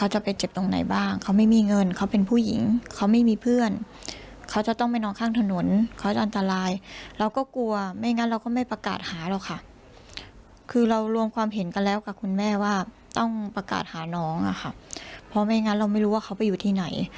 หาน้องอะค่ะเพราะไม่งั้นเราไม่รู้ว่าเขาไปอยู่ที่ไหน